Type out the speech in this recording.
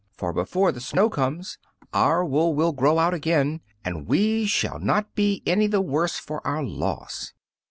For before the snow comes our wool will grow out again, and we shall not be any the worse for our loss."